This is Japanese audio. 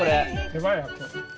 手早く。